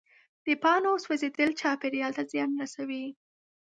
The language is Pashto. د پاڼو سوځېدل چاپېریال ته زیان رسوي.